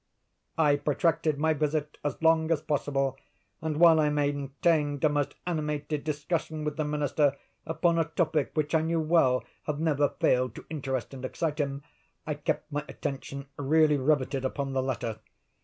"I protracted my visit as long as possible, and, while I maintained a most animated discussion with the Minister upon a topic which I knew well had never failed to interest and excite him, I kept my attention really riveted upon the letter.